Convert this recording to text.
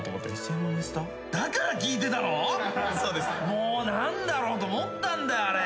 もう何だろうと思ったんだよあれ。